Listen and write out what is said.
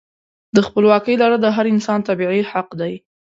د خپلواکۍ لرل د هر انسان طبیعي حق دی.